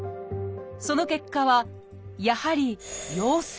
その結果はやはり「陽性」。